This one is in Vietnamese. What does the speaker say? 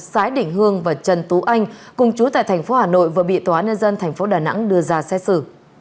sái đỉnh hương và trần tú anh cùng chú tại thành phố hà nội vừa bị tòa án nhân dân tp đà nẵng đưa ra xét xử